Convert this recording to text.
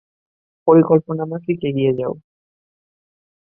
পরিকল্পনা মাফিক এগিয়ে যাও।